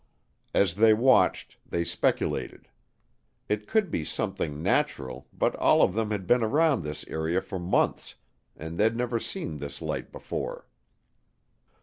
As they watched they speculated. It could be something natural but all of them had been around this area for months and they'd never seen this light before.